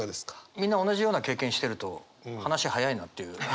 みんな同じような経験してると話早いなっていう。